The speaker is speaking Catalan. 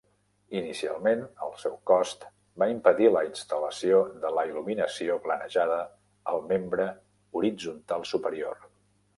Inicialment, el seu cost va impedir la instal·lació de la il·luminació planejada al membre horitzontal superior.